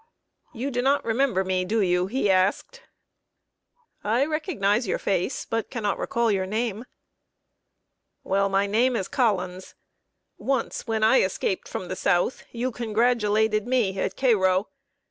"You do not remember me, do you?" he asked. "I recognize your face, but cannot recall your name." "Well, my name is Collins. Once, when I escaped from the South, you congratulated me at Cairo.